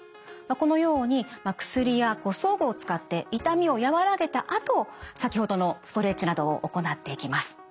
このように薬や装具を使って痛みを和らげたあと先ほどのストレッチなどを行っていきます。